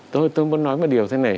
tôi muốn nói một điều thế này